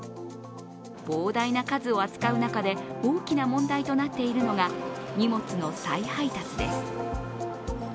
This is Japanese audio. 膨大な数を扱う中で大きな問題となっているのが荷物の再配達です。